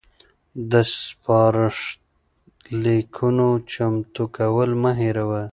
د سپارښت لیکونو چمتو کول مه هیروئ.